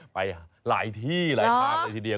ไปหลายที่หลายทางเลยทีเดียว